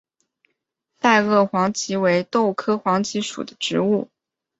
袋萼黄耆为豆科黄芪属的植物。